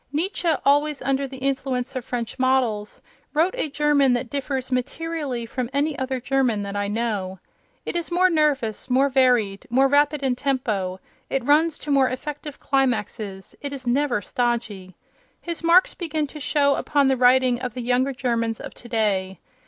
Nietzsche, always under the influence of French models, wrote a German that differs materially from any other German that I know. It is more nervous, more varied, more rapid in tempo; it runs to more effective climaxes; it is never stodgy. His marks begin to show upon the writing of the younger Germans of today.